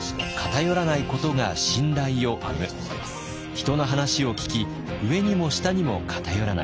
人の話を聞き上にも下にも偏らない。